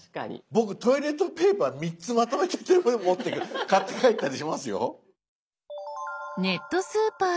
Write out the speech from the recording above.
僕トイレットペーパー３つまとめて全部持って買って帰ったりしますよ。